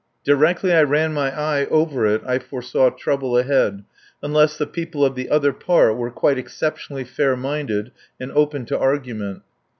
Directly I ran my eye over it I foresaw trouble ahead unless the people of the other part were quite exceptionally fair minded and open to argument.